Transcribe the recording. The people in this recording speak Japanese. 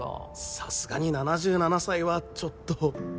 さすがに７７歳はちょっと